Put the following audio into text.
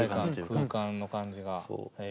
空間の感じがへえ！